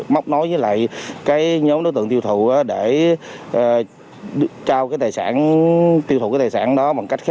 mắc nói với lại nhóm đối tượng tiêu thụ để tiêu thụ tài sản đó